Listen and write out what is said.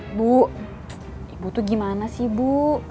ibu ibu tuh gimana sih ibu